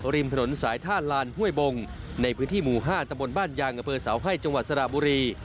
ริมถนนสายท่าลานห้วยบงในพื้นที่หมู่๕ตะบนบ้านยางอเภอเสาไพ่จังหวัดสระบุรี